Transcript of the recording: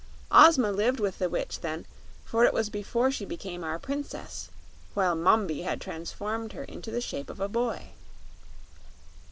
Ozma lived with the Witch then, for it was before she became our Princess, while Mombi had transformed her into the shape of a boy.